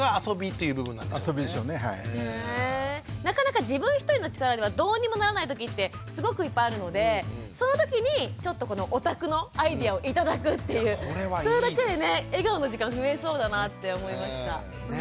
なかなか自分一人の力ではどうにもならない時ってすごくいっぱいあるのでその時にちょっとこのお宅のアイデアを頂くっていうそれだけでね笑顔の時間増えそうだなって思いました。